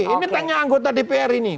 ini tanya anggota dpr ini